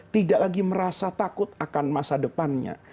tidak lagi merasa takut akan masa depannya